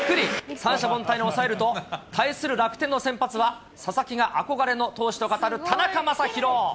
三者凡退に抑えると、対する楽天の先発は、佐々木が憧れの投手と語る田中将大。